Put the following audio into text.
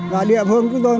và địa phương chúng tôi